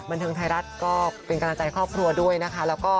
บันเทิงไทยรัฐก็เป็นกำลังใจครอบครัวด้วยนะคะ